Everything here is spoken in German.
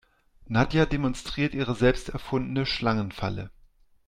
Nadja demonstriert ihre selbst erfundene Schlangenfalle.